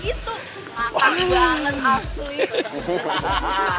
kayak badannya langsung gak ada tenaga gitu